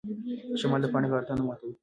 شمال د پاڼې غاړه نه ماتوي.